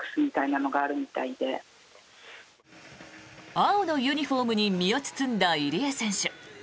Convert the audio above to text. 青のユニホームに身を包んだ入江選手。